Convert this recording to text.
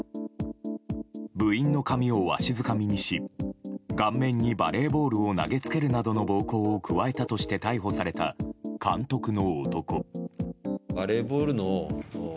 部員の髪をわしづかみにし顔面にバレーボールを投げつけるなどの暴行を加えたとして逮捕された監督の男。